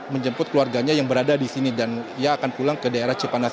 menjemput keluarganya yang berada di sini dan ia akan pulang ke daerah cipanas